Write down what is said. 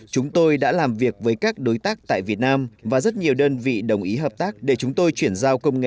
chúng tôi đã làm việc với các đối tác tại việt nam và rất nhiều đơn vị đồng ý hợp tác để chúng tôi chuyển giao công nghệ